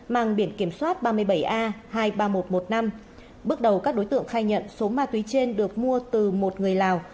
mang biển kiểm soát ba mươi bảy a hai mươi ba nghìn một trăm một mươi năm bước đầu các đối tượng khai nhận số ma túy trên được mua từ một người lào